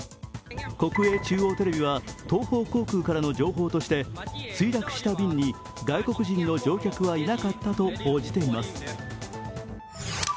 国営中央テレビは東方航空からの情報として墜落した便に外国人の乗客はいなかったと報じています。